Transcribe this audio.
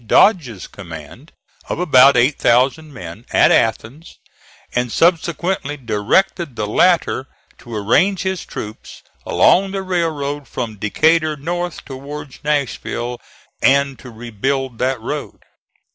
Dodge's command, of about eight thousand men, at Athens, and subsequently directed the latter to arrange his troops along the railroad from Decatur north towards Nashville, and to rebuild that road.